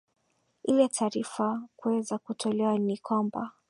ile taarifa kuweza kutolewa ni kwamba